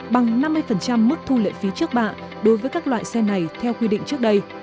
bằng năm mươi mức thu lệ phí trước bạ đối với các loại xe này theo quy định trước đây